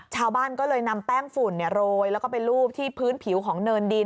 ชาวบ้านก็เลยนำแป้งฝุ่นโรยแล้วก็ไปรูปที่พื้นผิวของเนินดิน